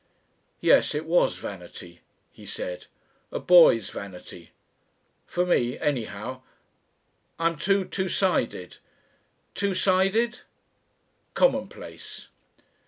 "Yes, it was vanity," he said. "A boy's vanity. For me anyhow. I'm too two sided.... Two sided?... Commonplace!